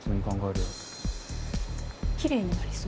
「きれいになりそう」？